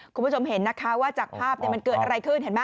คุณผู้ชมเห็นนะคะว่าจากภาพมันเกิดอะไรขึ้นเห็นไหม